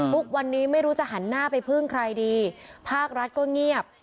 ทุกวันนี้ไม่รู้จะหันหน้าไปพึ่งใครดีภาครัฐก็เงียบ